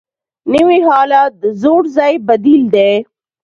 نوی حالت د زوړ ځای بدیل دی